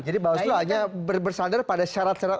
jadi bawah seluruh hanya bersandar pada syarat syarat itu